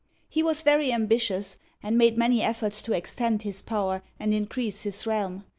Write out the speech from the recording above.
He was very ambitious, and made many efforts to extend his power and increase his realm.